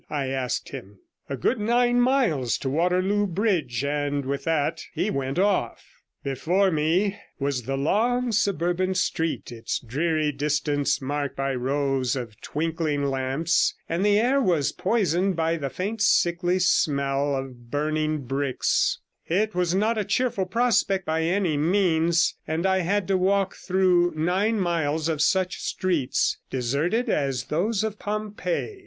I asked him. 'A good nine miles to Waterloo Bridge.' And with that he went off. Before me was the long suburban street, its dreary distance marked by rows of twinkling lamps, and the air was poisoned by the faint, sickly smell of burning bricks; it was not a cheerful prospect by any means, and I had to walk through nine miles of such streets, deserted as those of Pompeii.